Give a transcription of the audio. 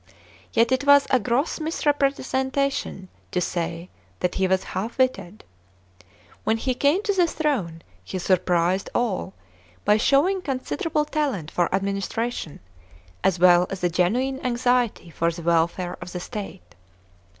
Yet it was a gross misrepresentation to say that he was half witted. When he came to the throne he surprised all by showing considerable talent for administration, as well as a genuine anxiety for the welfare of the state.